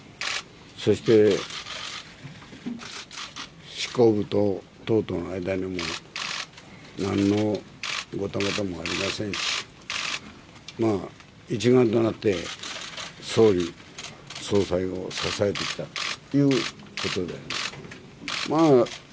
そして執行部と党との間に何もごたごたはありませんでしたし一丸となって総理総裁を支えてきたということであります。